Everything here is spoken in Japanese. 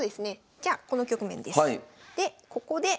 じゃあこの局面です。